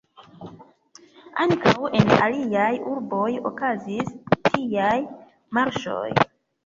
Ankaŭ en aliaj urboj okazis tiaj marŝoj.